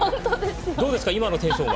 どうですか今のテンションは？